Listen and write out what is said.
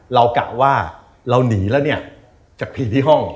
กะว่าเราหนีแล้วเนี่ยจากผีที่ห้อง